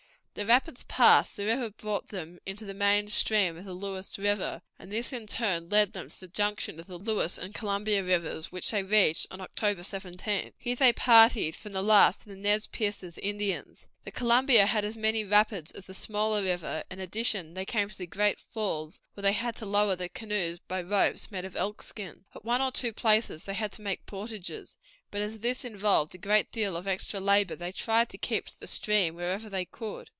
The rapids passed, the river brought them into the main stream of the Lewis River, and this in turn led them to the junction of the Lewis and Columbia Rivers, which they reached on October 17th. Here they parted from the last of the Nez Percés Indians. The Columbia had as many rapids as the smaller river, and in addition they came to the Great Falls, where they had to lower the canoes by ropes made of elkskin. At one or two places they had to make portages, but as this involved a great deal of extra labor, they tried to keep to the stream wherever they could.